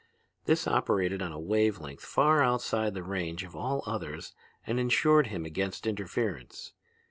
This operated on a wave length far outside the range of all others and insured him against interference.